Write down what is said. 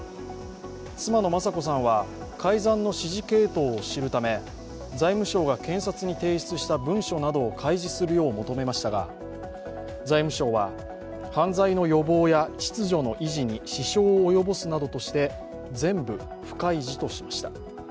妻の雅子さんは、改ざんの指示系統を知るため、財務省が検察に提出した文書などを開示するよう求めましたが財務省は犯罪の予防や秩序の維持に支障を及ぼすとして全部不開示としました。